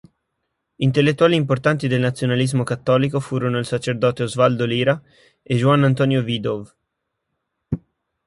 Intellettuali importanti del nazionalismo cattolico furono il sacerdote Osvaldo Lira e Juan Antonio Widow.